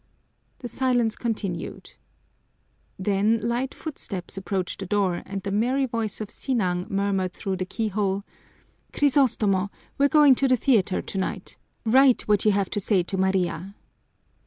The silence continued. Then light footsteps approached the door and the merry voice of Sinang murmured through the keyhole, "Crisostomo, we're going to the theater tonight. Write what you have to say to Maria."